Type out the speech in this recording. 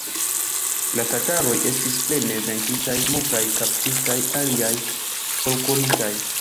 La tataroj estis plene venkitaj, multaj kaptitaj, aliaj forkurintaj.